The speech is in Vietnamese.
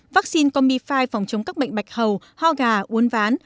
vaccine comifi phòng chống các bệnh bạch hầu ho gà uốn ván